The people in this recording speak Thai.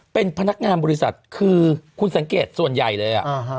เป็นพนักงานบริษัทคือคุณสังเกตส่วนใหญ่เลย